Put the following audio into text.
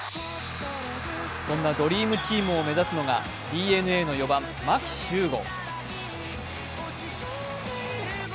そんなドリームチームを目指すのがＤｅＮＡの４番・牧秀悟。